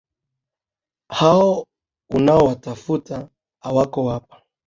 Hao unaowatafuta hawako hapa